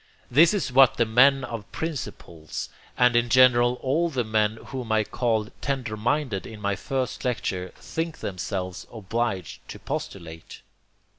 This is what the men of principles, and in general all the men whom I called tender minded in my first lecture, think themselves obliged to postulate.